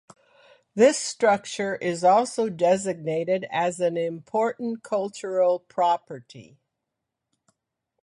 This structure is also designated as an Important Cultural Property.